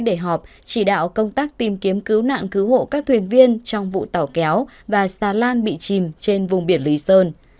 để họp chỉ đạo công tác tìm kiếm cứu nạn cứu hộ các thuyền viên trong vụ tàu kéo và xà lan bị chìm trên vùng biển lý sơn